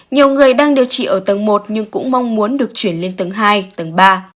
nhiều người đang điều trị ở tầng một nhưng cũng mong muốn được chuyển lên tầng hai tầng ba